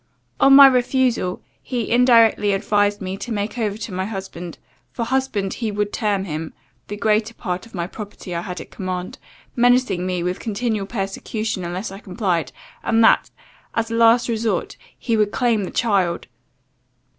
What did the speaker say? On my refusal, he indirectly advised me to make over to my husband for husband he would term him the greater part of the property I had at command, menacing me with continual persecution unless I complied, and that, as a last resort, he would claim the child.